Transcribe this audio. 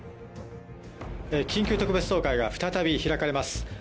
緊急特別総会が再び開かれます。